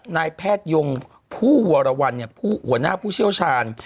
นายแพทยงผู้หัวละวันเนี่ยผู้หัวหน้าผู้เชี่ยวชาญ